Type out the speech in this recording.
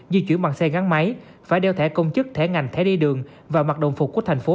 di chuyển bằng xe gắn máy phải đeo thẻ công chức thẻ ngành thẻ đi đường và mặt đồng phục của thành phố